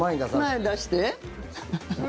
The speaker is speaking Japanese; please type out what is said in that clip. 前に出して。